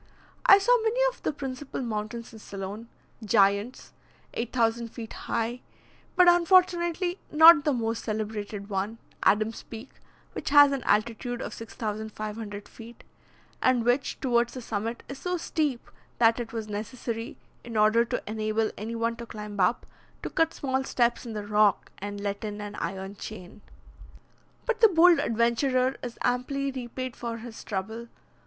I saw many of the principal mountains in Ceylon giants, 8,000 feet high; but, unfortunately, not the most celebrated one, Adam's Peak, which has an altitude of 6,500 feet, and which, towards the summit is so steep, that it was necessary, in order to enable any one to climb up, to cut small steps in the rock, and let in an iron chain. But the bold adventurer is amply repaid for his trouble.